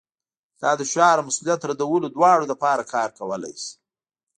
دا د شعار او مسؤلیت ردولو دواړو لپاره کار کولی شي